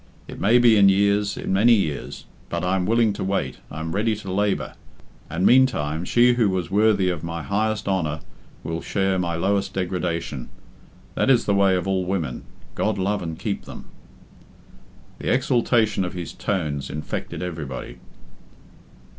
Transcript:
It may be in years, in many years, but I am willing to wait I am ready to labour. And, meantime, she who was worthy of my highest honour will share my lowest degradation. That is the way of all women God love and keep them!" The exaltation of his tones infected everybody.